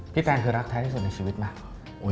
พี่แฟนคือรักแทนที่สุดในชีวิตหรือเนี่ย